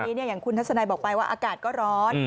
วันนี้อย่างคุณทัศนัยบอกไปว่าอากาศก็ร้อน